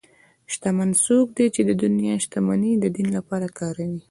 شتمن څوک دی چې د دنیا شتمني د دین لپاره کاروي.